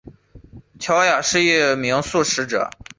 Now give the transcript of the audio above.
乔雅是一名素食者。